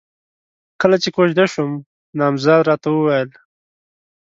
کله چې کوژده شوم، نامزد راته وويل: